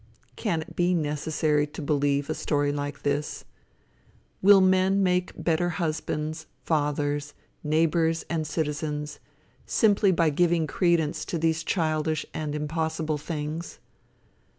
Can it be necessary to believe a story like this? Will men make better husbands, fathers, neighbors, and citizens, simply by giving credence to these childish and impossible things?